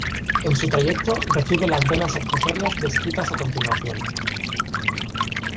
En su trayecto recibe las venas accesorias descritas a continuación.